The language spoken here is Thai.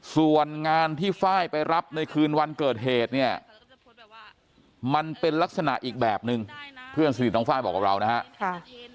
ส่วนงานที่ไฟล์ไปรับในคืนวันเกิดเหตุเนี่ยมันเป็นลักษณะอีกแบบนึงเพื่อนสนิทน้องไฟล์บอกกับเรานะครับ